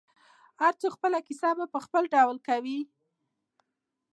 هر څوک خپله کیسه په خپل ډول کوي.